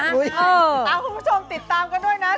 คุณผู้ชมติดตามกันด้วยนะ